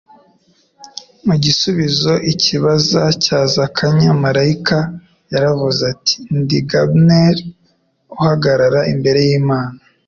Mu gusubiza ikibazo cya Zakanya, malayika yaravuze ati : "Ndi Gabneli uhagarara imbere y'Imana.